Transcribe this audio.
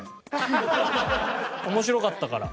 面白かったから。